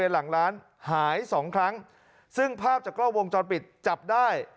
หลังร้านหายสองครั้งซึ่งภาพจากกล้อวงจรปิดจับได้